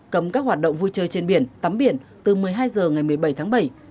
cấm các hoạt động vui chơi trên biển tắm biển từ một mươi hai h ngày một mươi bảy tháng bảy